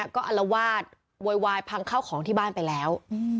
ก็อลวาดโวยวายพังเข้าของที่บ้านไปแล้ว